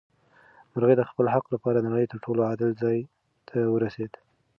مرغۍ د خپل حق لپاره د نړۍ تر ټولو عادل ځای ته ورسېده.